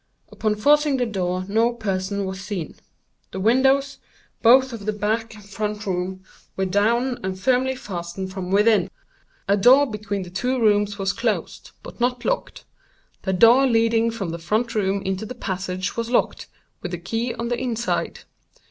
Upon forcing the door no person was seen. The windows, both of the back and front room, were down and firmly fastened from within. A door between the two rooms was closed, but not locked. The door leading from the front room into the passage was locked, with the key on the inside.